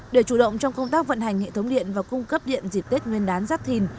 để chủ động trong công tác vận hành hệ thống điện và cung cấp điện dịp tết nguyên đán giáp thìn